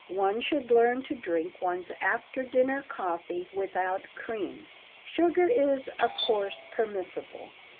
One should learn to drink one's after dinner coffee without cream. Sugar is, of course, permissible.